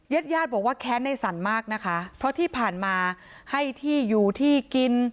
ญาติญาติบอกว่าแค้นในสรรมากนะคะเพราะที่ผ่านมาให้ที่อยู่ที่กิน